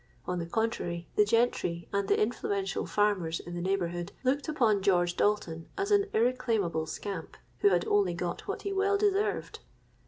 On the contrary, the gentry and the influential farmers in the neighbourhood, looked on George Dalton as an irreclaimable scamp, who had only got what he well deserved.